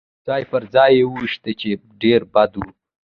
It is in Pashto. ځای پر ځای يې وویشتل، چې ډېر بد و.